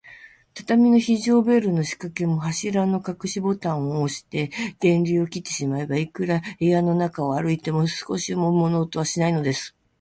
畳の非常ベルのしかけも、柱のかくしボタンをおして、電流を切ってしまえば、いくら部屋の中を歩いても、少しも物音はしないのです。